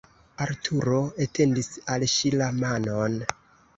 Arturo etendis al ŝi la manon.